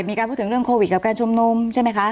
มีการพูดถึงเรื่องโควิดกับการชุมนุมใช่ไหมคะ